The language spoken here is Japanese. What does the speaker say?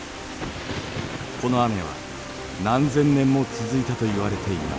この雨は何千年も続いたといわれています。